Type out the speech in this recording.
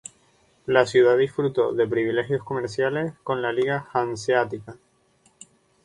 La ciudad disfrutó de privilegios comerciales con la Liga Hanseática.